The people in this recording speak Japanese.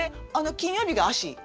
金曜日が脚。